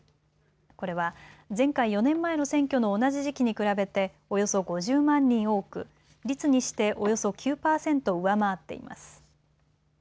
これは前回・４年前の選挙の同じ時期に比べておよそ５０万人多く率にしておよそ９％上回っています。